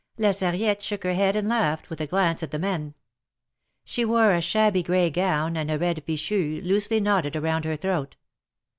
La Sarriette shook her head and laughed, with a glance at the men. She wore a shabby gray gown and a red fichu, loosely knotted around her throat.